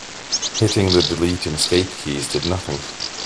Hitting the delete and escape keys did nothing.